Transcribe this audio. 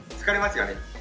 疲れますよね？